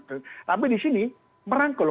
tapi di sini merangkul